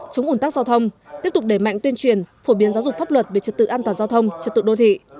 chống ủn tắc giao thông tiếp tục đẩy mạnh tuyên truyền phổ biến giáo dục pháp luật về trật tự an toàn giao thông trật tự đô thị